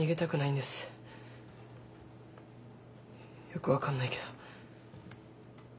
よく分かんないけど。